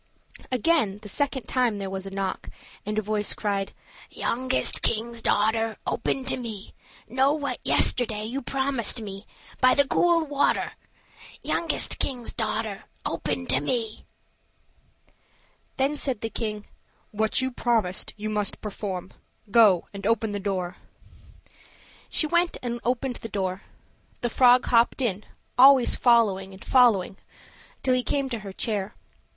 Again, the second time there was a knock, and a voice cried: "Youngest king's daughter, Open to me; Know you what yesterday You promised me, By the cool water? Youngest king's daughter, Open to me." Then said the king, "What you promised you must perform. Go and open the door." She went and opened the door; the frog hopped in, always following and following her till he came up to her chair.